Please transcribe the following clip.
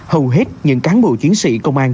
hầu hết những cán bộ chiến sĩ công an